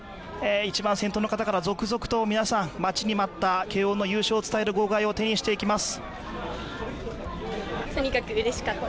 一番先頭の方から続々と、待ちに待った慶応の優勝を伝える号外を手にしていきます。